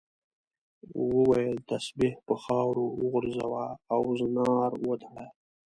وویل تسبیح په خاورو وغورځوه او زنار وتړه.